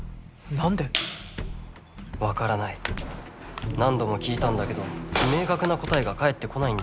何度も聞いたんだけど明確な答えが返ってこないんだ。